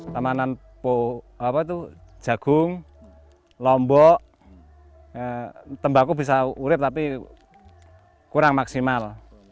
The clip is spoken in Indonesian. temanan jagung lombok tembakau bisa urip tapi kurang maksimal